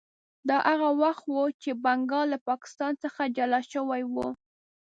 دا هغه وخت و چې بنګال له پاکستان څخه جلا شوی و.